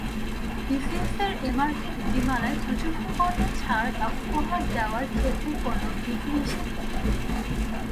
বিসিএসের এমআরপি নীতিমালায় প্রযুক্তিপণ্যে ছাড় বা উপহার দেওয়ার ক্ষেত্রে কোনো বিধিনিষেধ নেই।